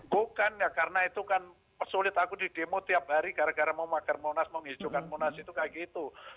gue kan ya karena itu kan sulit aku di demo tiap hari gara gara mau magar monas mau hijaukan monas itu kayak gitu